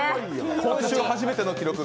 今週初めての記録。